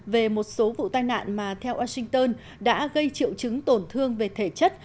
về một số vụ tai nạn mà theo washington đã gây triệu chứng tổn thương về thể chất